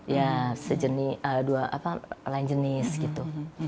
ya sejenis dua apa lain jenis gitu